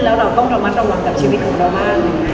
แล้วเราก็ต้องมาตำจัดวันกับชีวิตของเรากันบ้าง